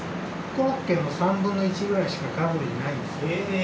コロッケの３分の１くらいしかカロリーないんですよ。